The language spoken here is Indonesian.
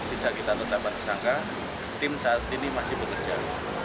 bisa kita tetap berkesangka tim saat ini masih bekerja